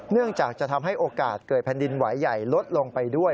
เนื่องจากจะทำให้โอกาสเกิดแผ่นดินไหวใหญ่ลดลงไปด้วย